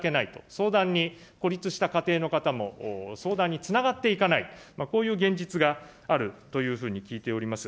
相談に孤立した家庭の方も、相談につながっていかない、こういう現実があるというふうに聞いております。